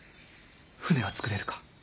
船はつくれるか。